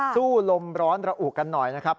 ลมร้อนระอุกันหน่อยนะครับ